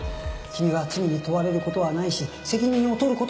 君が罪に問われる事はないし責任を取る事もない。